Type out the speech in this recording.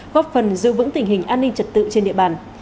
góp phần giữ vững tình hình an ninh trật tự trên địa bàn